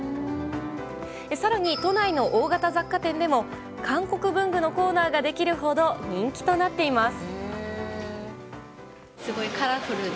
更に都内の大型雑貨店でも韓国文具のコーナーができるほど人気となっています。